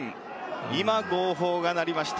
今、号砲が鳴りました。